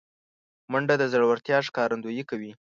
منډه د زړورتیا ښکارندویي کوي